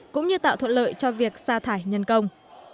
cũng như tạo thuận lợi cho việc xa thải nhân công